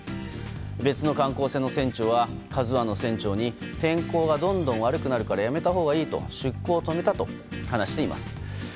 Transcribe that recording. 別の観光船の船長は「ＫＡＺＵ１」の船長に天候がどんどん悪くなるからやめたほうがいいと出航を止めたと話しています。